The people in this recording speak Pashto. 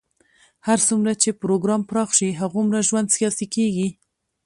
هر څومره چې پروګرام پراخ شي، هغومره ژوند سیاسي کېږي.